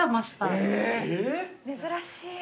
珍しい。